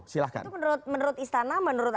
silahkan menurut istana menurut